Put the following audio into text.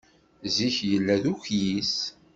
Zik yella d ukyis.